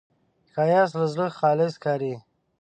ښایست له زړه خالص ښکاري